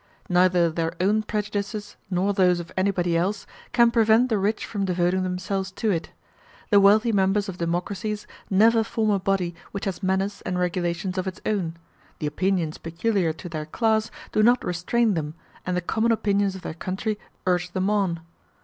Neither their own prejudices, nor those of anybody else, can prevent the rich from devoting themselves to it. The wealthy members of democracies never form a body which has manners and regulations of its own; the opinions peculiar to their class do not restrain them, and the common opinions of their country urge them on.